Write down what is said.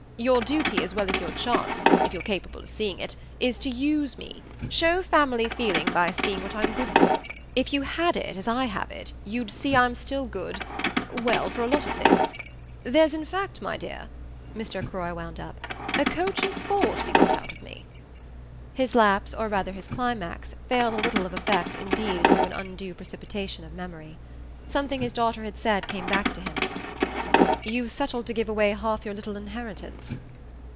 Your duty as well as your chance, if you're capable of seeing it, is to use me. Show family feeling by seeing what I'm good for. If you had it as I have it you'd see I'm still good well, for a lot of things. There's in fact, my dear," Mr. Croy wound up, "a coach and four to be got out of me." His lapse, or rather his climax, failed a little of effect indeed through an undue precipitation of memory. Something his daughter had said came back to him. "You've settled to give away half your little inheritance?"